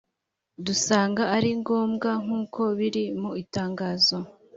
dusanga ari ngombwa nkuko biri mu itangazo